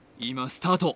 スタート